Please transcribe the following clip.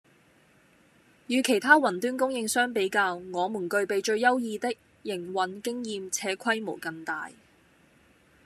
與其他雲端供應商比較，我們具備最優異的營運經驗且規模更大